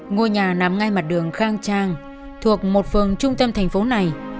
ngôi nhà nằm ngay mặt đường khang trang thuộc một phường trung tâm thành phố này